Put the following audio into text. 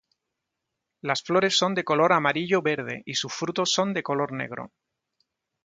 Las flores son de color amarillo-verde y sus frutos son de color negro.